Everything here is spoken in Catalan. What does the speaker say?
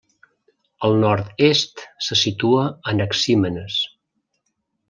Al nord-est se situa Anaxímenes.